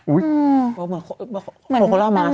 เหมือนโคโลมาสค์